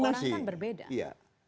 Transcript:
tiap orang kan berbeda